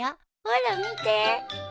ほら見て。